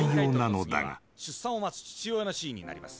「出産を待つ父親のシーンになります」